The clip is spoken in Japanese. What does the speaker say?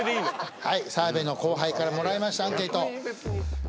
はい澤部の後輩からもらいましたアンケート。